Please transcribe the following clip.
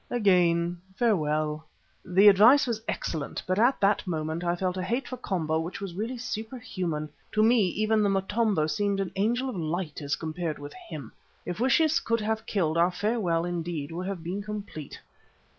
Again farewell." The advice was excellent, but at that moment I felt a hate for Komba which was really superhuman. To me even the Motombo seemed an angel of light as compared with him. If wishes could have killed, our farewell would indeed have been complete.